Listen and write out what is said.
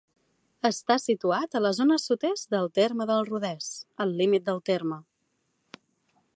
Està situat a la zona sud-est del terme de Rodès, al límit del terme.